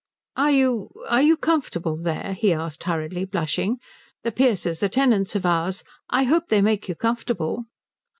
"Are you are you comfortable there?" he asked hurriedly, blushing. "The Pearces are tenants of ours. I hope they make you comfortable?"